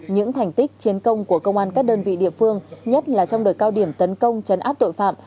những thành tích chiến công của công an các đơn vị địa phương nhất là trong đợt cao điểm tấn công chấn áp tội phạm